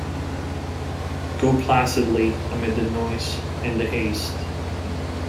Go placidly amid the noise and the haste